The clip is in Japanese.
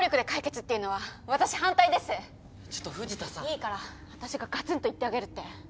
いいから。あたしがガツンと言ってあげるって。